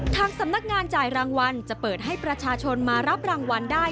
ทางสำนักงานจ่ายรางวัลจะเปิดให้ประชาชนมารับรางวัลได้